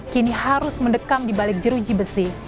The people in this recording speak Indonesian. kini harus mendekam di balik jeruji besi